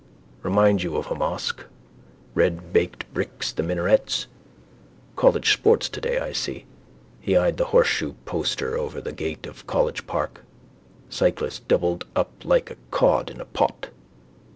Remind you of a mosque, redbaked bricks, the minarets. College sports today I see. He eyed the horseshoe poster over the gate of college park: cyclist doubled up like a cod in a pot.